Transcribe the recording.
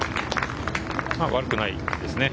悪くないですね。